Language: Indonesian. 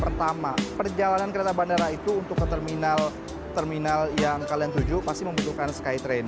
pertama perjalanan kereta bandara itu untuk ke terminal terminal yang kalian tuju pasti membutuhkan skytrain